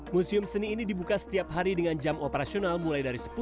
museum seni ini dibuka setiap hari dengan jam operasional mulai dari sepuluh